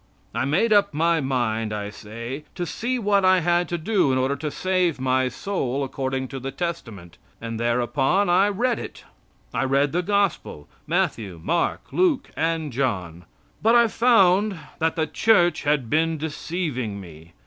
I made up my mind, I say, to see what I had to do in order to save my soul according to the Testament, and thereupon I read it. I read the gospel, Matthew, Mark, Luke, and John. But I found that the Church had been deceiving me.